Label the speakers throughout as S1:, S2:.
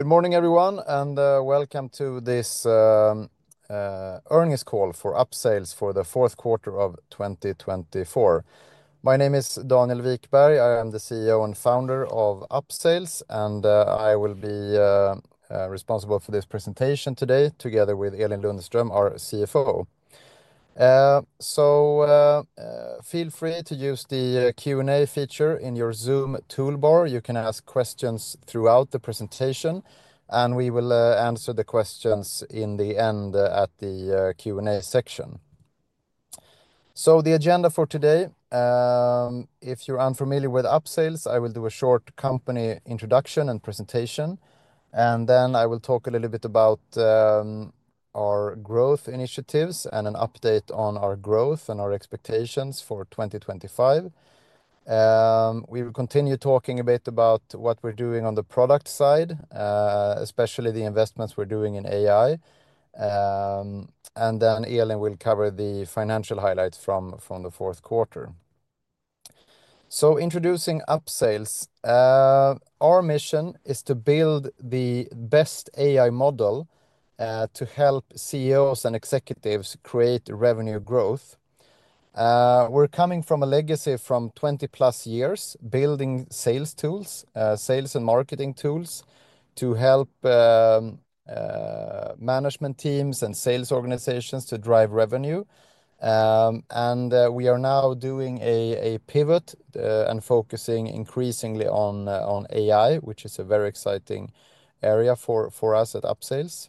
S1: Good morning, everyone, and welcome to this earnings call for Upsales for the fourth quarter of 2024. My name is Daniel Wikberg. I am the CEO and founder of Upsales, and I will be responsible for this presentation today together with Elin Lundström, our CFO. Feel free to use the Q&A feature in your Zoom toolbar. You can ask questions throughout the presentation, and we will answer the questions in the end at the Q&A section. The agenda for today: if you're unfamiliar with Upsales, I will do a short company introduction and presentation, and then I will talk a little bit about our growth initiatives and an update on our growth and our expectations for 2025. We will continue talking a bit about what we're doing on the product side, especially the investments we're doing in AI, and then Elin will cover the financial highlights from the fourth quarter. Introducing Upsales: our mission is to build the best AI model to help CEOs and executives create revenue growth. We're coming from a legacy of 20+ years building sales tools, sales and marketing tools, to help management teams and sales organizations to drive revenue. We are now doing a pivot and focusing increasingly on AI, which is a very exciting area for us at Upsales.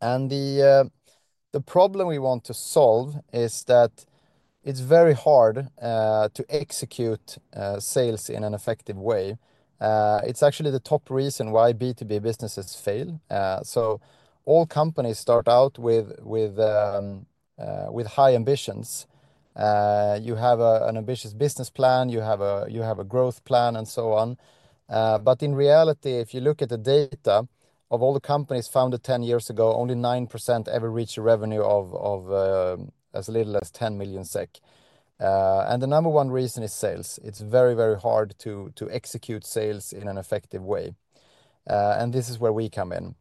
S1: The problem we want to solve is that it's very hard to execute sales in an effective way. It's actually the top reason why B2B businesses fail. All companies start out with high ambitions. You have an ambitious business plan, you have a growth plan, and so on. In reality, if you look at the data of all the companies founded 10 years ago, only 9% ever reached a revenue of as little as 10 million SEK. The number one reason is sales. It's very, very hard to execute sales in an effective way. This is where we come in.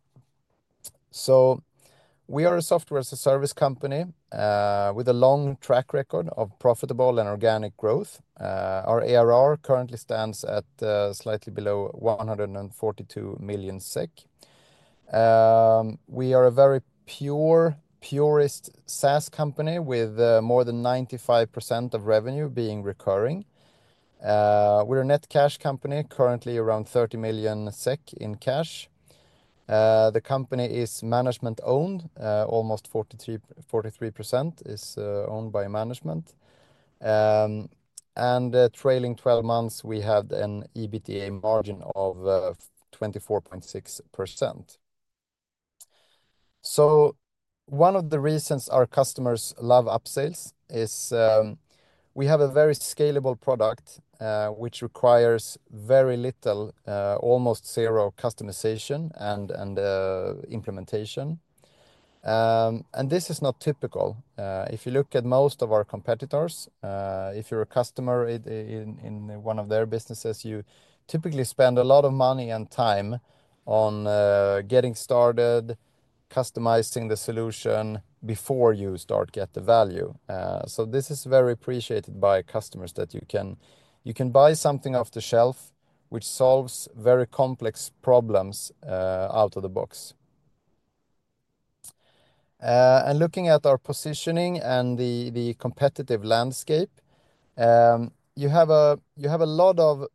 S1: We are a Software as a Service company with a long track record of profitable and organic growth. Our ARR currently stands at slightly below 142 million SEK. We are a very pure, purist SaaS company with more than 95% of revenue being recurring. We're a net cash company, currently around 30 million SEK in cash. The company is management-owned; almost 43% is owned by management. Trailing 12 months, we had an EBITDA margin of 24.6%. One of the reasons our customers love Upsales is we have a very scalable product, which requires very little, almost zero customization and implementation. This is not typical. If you look at most of our competitors, if you're a customer in one of their businesses, you typically spend a lot of money and time on getting started, customizing the solution before you start to get the value. This is very appreciated by customers that you can buy something off the shelf, which solves very complex problems out of the box. Looking at our positioning and the competitive landscape, you have a lot of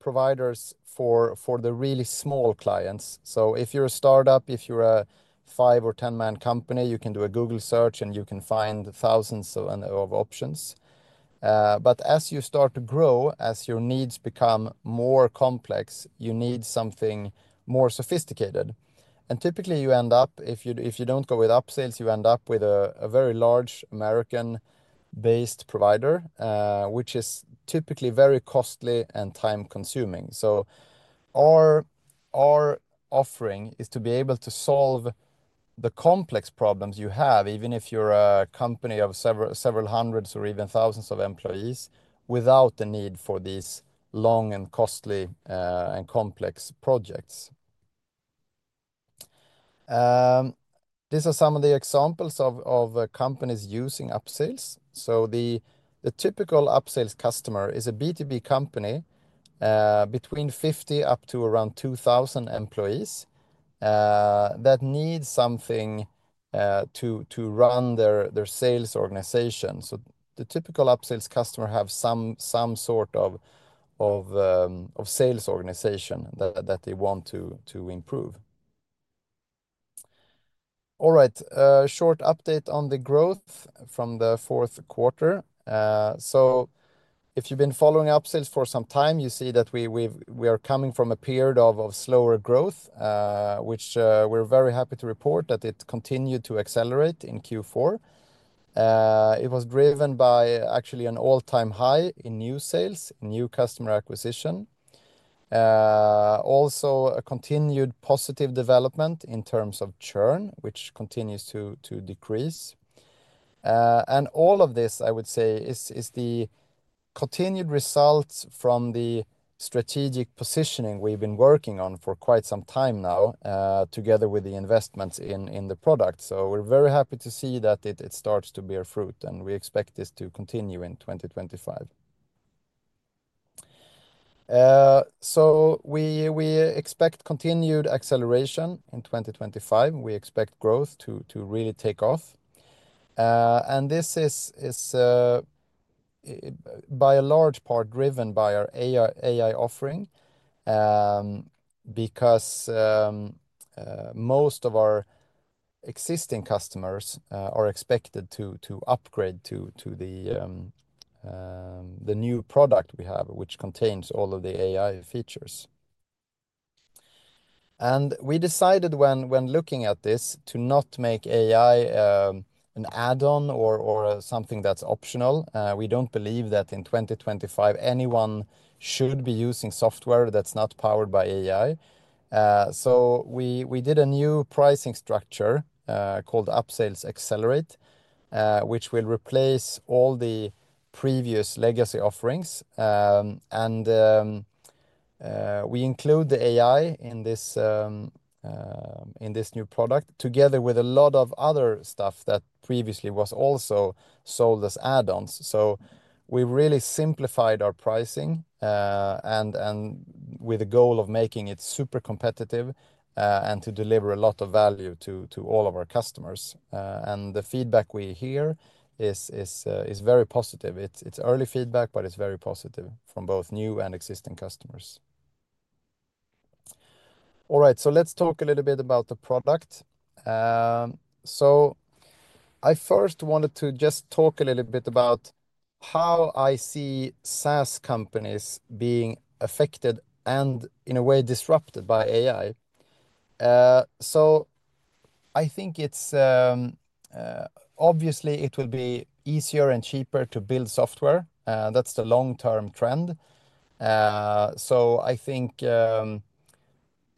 S1: providers for the really small clients. If you're a startup, if you're a five or ten-man company, you can do a Google search and you can find thousands of options. As you start to grow, as your needs become more complex, you need something more sophisticated. Typically, you end up, if you do not go with Upsales, you end up with a very large American-based provider, which is typically very costly and time-consuming. Our offering is to be able to solve the complex problems you have, even if you are a company of several hundreds or even thousands of employees, without the need for these long and costly and complex projects. These are some of the examples of companies using Upsales. The typical Upsales customer is a B2B company between 50 up to around 2,000 employees that need something to run their sales organization. The typical Upsales customer has some sort of sales organization that they want to improve. All right, short update on the growth from the fourth quarter. If you've been following Upsales for some time, you see that we are coming from a period of slower growth, which we're very happy to report that it continued to accelerate in Q4. It was driven by actually an all-time high in new sales, new customer acquisition. Also, a continued positive development in terms of churn, which continues to decrease. All of this, I would say, is the continued result from the strategic positioning we've been working on for quite some time now, together with the investments in the product. We're very happy to see that it starts to bear fruit, and we expect this to continue in 2025. We expect continued acceleration in 2025. We expect growth to really take off. This is, by a large part, driven by our AI offering because most of our existing customers are expected to upgrade to the new product we have, which contains all of the AI features. We decided, when looking at this, to not make AI an add-on or something that's optional. We don't believe that in 2025, anyone should be using software that's not powered by AI. We did a new pricing structure called Upsales Accelerate, which will replace all the previous legacy offerings. We include the AI in this new product together with a lot of other stuff that previously was also sold as add-ons. We really simplified our pricing with the goal of making it super competitive and to deliver a lot of value to all of our customers. The feedback we hear is very positive. It's early feedback, but it's very positive from both new and existing customers. All right, let's talk a little bit about the product. I first wanted to just talk a little bit about how I see SaaS companies being affected and, in a way, disrupted by AI. I think, obviously, it will be easier and cheaper to build software. That's the long-term trend. I think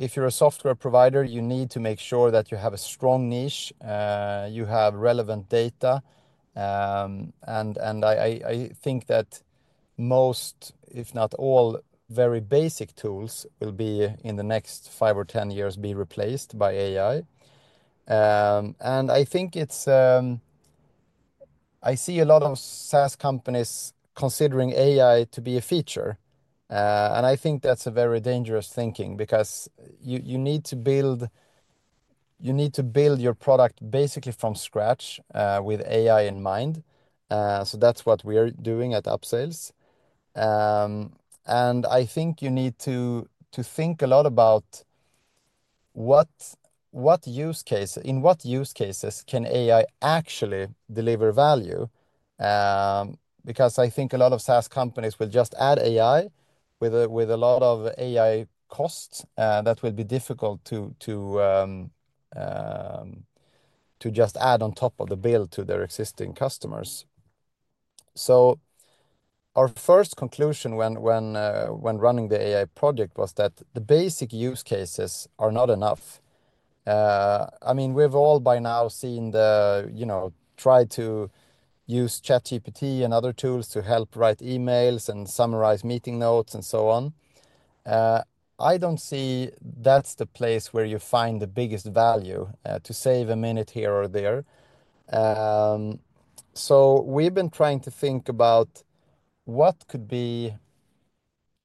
S1: if you're a software provider, you need to make sure that you have a strong niche, you have relevant data. I think that most, if not all, very basic tools will, in the next five or ten years, be replaced by AI. I see a lot of SaaS companies considering AI to be a feature. I think that's a very dangerous thinking because you need to build your product basically from scratch with AI in mind. That is what we are doing at Upsales. I think you need to think a lot about in what use cases can AI actually deliver value because I think a lot of SaaS companies will just add AI with a lot of AI costs that will be difficult to just add on top of the bill to their existing customers. Our first conclusion when running the AI project was that the basic use cases are not enough. I mean, we have all by now tried to use ChatGPT and other tools to help write emails and summarize meeting notes and so on. I do not see that is the place where you find the biggest value to save a minute here or there. We have been trying to think about what could be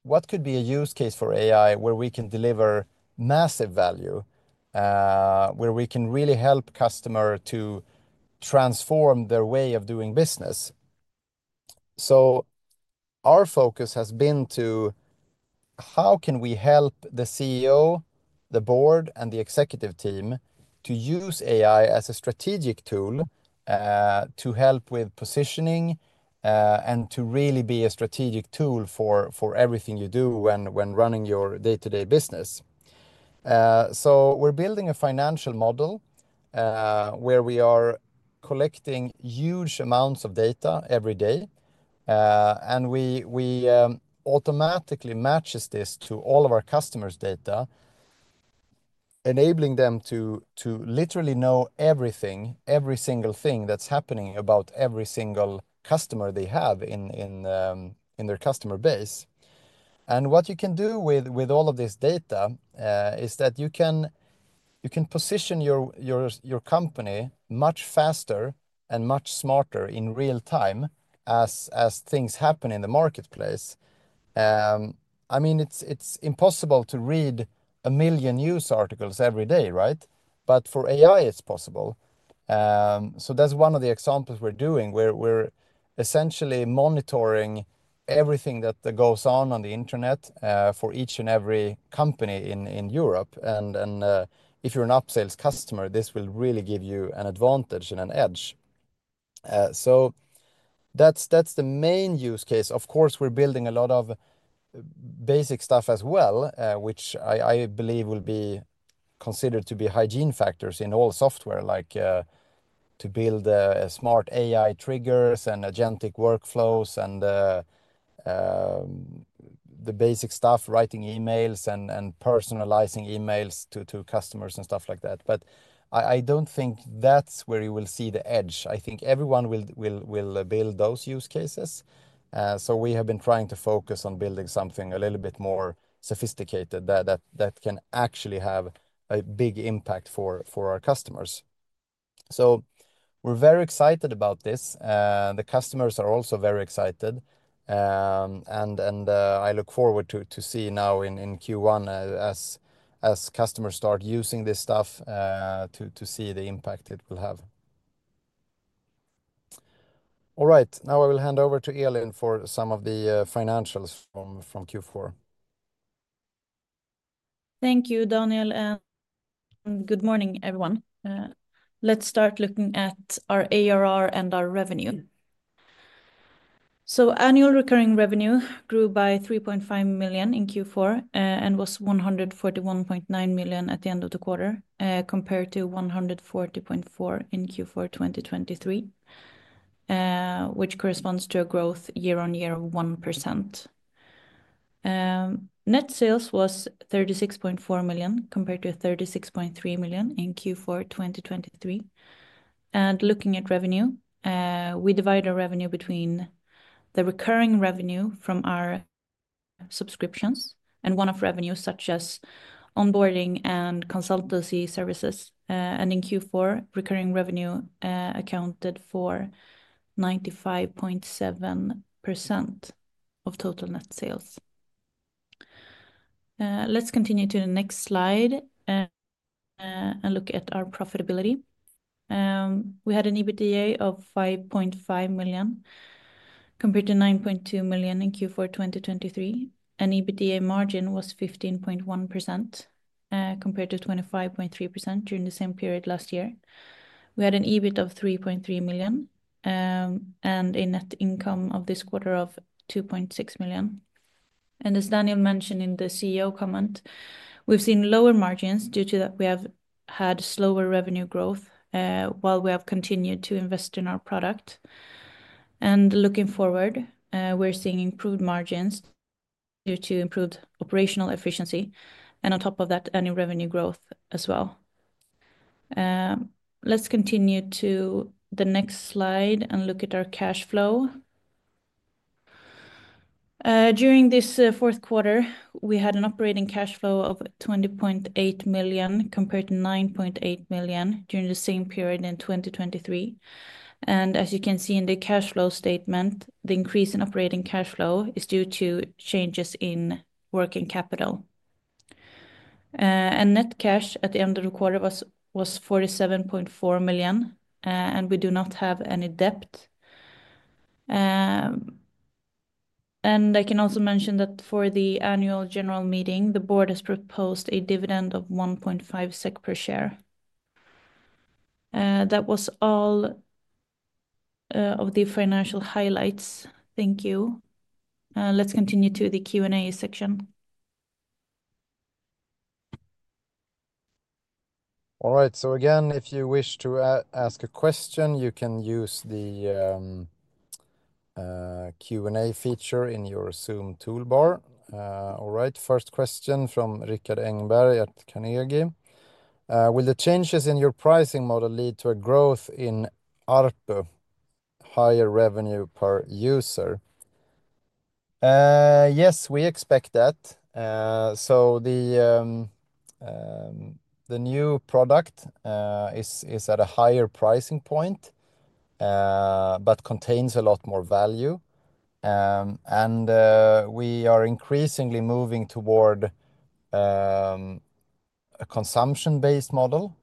S1: a use case for AI where we can deliver massive value, where we can really help customers to transform their way of doing business. Our focus has been on how can we help the CEO, the board, and the executive team to use AI as a strategic tool to help with positioning and to really be a strategic tool for everything you do when running your day-to-day business. We are building a financial model where we are collecting huge amounts of data every day. We automatically match this to all of our customers' data, enabling them to literally know everything, every single thing that is happening about every single customer they have in their customer base. What you can do with all of this data is that you can position your company much faster and much smarter in real time as things happen in the marketplace. I mean, it's impossible to read a million news articles every day, right? For AI, it's possible. That's one of the examples we're doing. We're essentially monitoring everything that goes on on the internet for each and every company in Europe. If you're an Upsales customer, this will really give you an advantage and an edge. That's the main use case. Of course, we're building a lot of basic stuff as well, which I believe will be considered to be hygiene factors in all software, like to build smart AI triggers and agentic workflows and the basic stuff, writing emails and personalizing emails to customers and stuff like that. But I don't think that's where you will see the edge. I think everyone will build those use cases. We have been trying to focus on building something a little bit more sophisticated that can actually have a big impact for our customers. We're very excited about this. The customers are also very excited. I look forward to seeing now in Q1 as customers start using this stuff to see the impact it will have. All right, now I will hand over to Elin for some of the financials from Q4.
S2: Thank you, Daniel. Good morning, everyone. Let's start looking at our ARR and our revenue. Annual recurring revenue grew by 3.5 million in Q4 and was 141.9 million at the end of the quarter, compared to 140.4 million in Q4 2023, which corresponds to a growth year on year of 1%. Net sales was 36.4 million compared to 36.3 million in Q4 2023. Looking at revenue, we divide our revenue between the recurring revenue from our subscriptions and one-off revenue, such as onboarding and consultancy services. In Q4, recurring revenue accounted for 95.7% of total net sales. Let's continue to the next slide and look at our profitability. We had an EBITDA of 5.5 million compared to 9.2 million in Q4 2023. EBITDA margin was 15.1% compared to 25.3% during the same period last year. We had an EBIT of 3.3 million and a net income this quarter of 2.6 million. As Daniel mentioned in the CEO comment, we've seen lower margins due to that we have had slower revenue growth while we have continued to invest in our product. Looking forward, we're seeing improved margins due to improved operational efficiency and on top of that, any revenue growth as well. Let's continue to the next slide and look at our cash flow. During this fourth quarter, we had an operating cash flow of 20.8 million compared to 9.8 million during the same period in 2023. As you can see in the cash flow statement, the increase in operating cash flow is due to changes in working capital. Net cash at the end of the quarter was 47.4 million. We do not have any debt. I can also mention that for the Annual General Meeting, the board has proposed a dividend of 1.5% per share. That was all of the financial highlights. Thank you. Let's continue to the Q&A section.
S1: All right, so again, if you wish to ask a question, you can use the Q&A feature in your Zoom toolbar. All right, first question from Rikard Engberg at Carnegie. Will the changes in your pricing model lead to a growth in ARPU, higher revenue per user? Yes, we expect that. The new product is at a higher pricing point but contains a lot more value. We are increasingly moving toward a consumption-based model.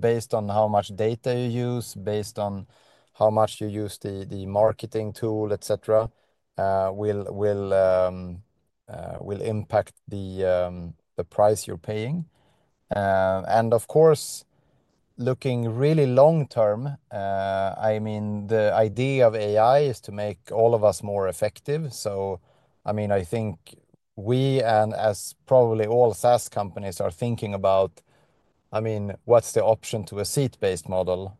S1: Based on how much data you use, based on how much you use the marketing tool, etc., will impact the price you're paying. Of course, looking really long-term, I mean, the idea of AI is to make all of us more effective. I mean, I think we and as probably all SaaS companies are thinking about, I mean, what's the option to a seat-based model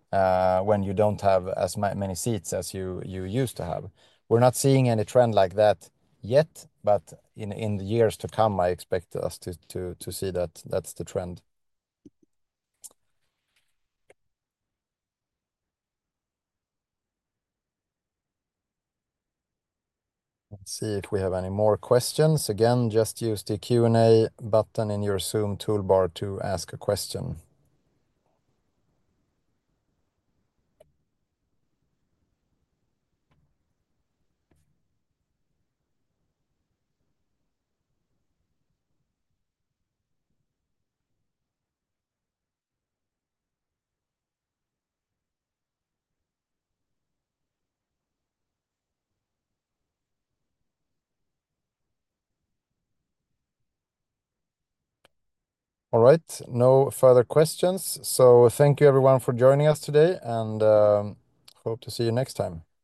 S1: when you don't have as many seats as you used to have? We're not seeing any trend like that yet, but in the years to come, I expect us to see that that's the trend. Let's see if we have any more questions. Again, just use the Q&A button in your Zoom toolbar to ask a question. All right, no further questions. Thank you, everyone, for joining us today, and hope to see you next time.